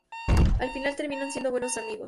Al final terminan siendo buenos amigos.